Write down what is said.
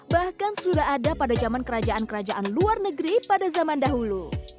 bahkan sudah ada pada zaman kerajaan kerajaan luar negeri pada zaman dahulu